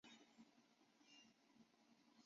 更衣是一个职官的名衔。